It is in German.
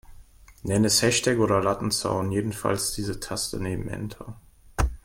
Nenn es Hashtag oder Lattenzaun, jedenfalls diese Taste neben Enter.